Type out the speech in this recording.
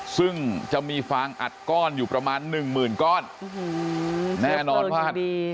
ซึ่งจะมีฟางอัดก้อนอยู่ประมาณหนึ่งหมื่นก้อนโอ้โหเชื่อเพลิงอย่างดี